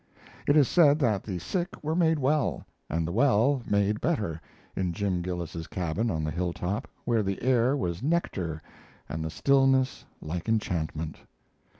It is said that the sick were made well, and the well made better, in Jim Gillis's cabin on the hilltop, where the air was nectar and the stillness like enchantment.